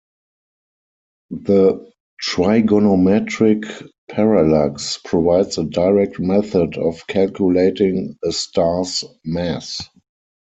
The trigonometric parallax provides a direct method of calculating a star's mass.